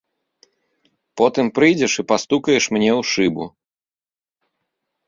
Потым прыйдзеш і пастукаеш мне ў шыбу.